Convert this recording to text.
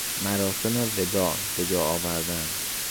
مراسم وداع بجا آوردن